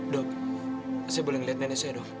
dok saya boleh melihat nenek saya dong